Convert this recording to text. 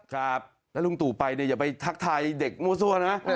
ครับแล้วลุงตู่ไปอย่าไปทักทายเด็กโมซัวนะ